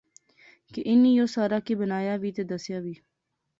کہ انیں یو سارا کی بنایا وی تہ دسیا وی